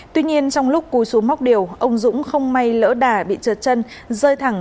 tuy nhiên trong lúc cúi xuống móc điều ông dũng không may lỡ đà bị trợt chân